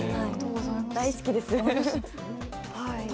大好きです。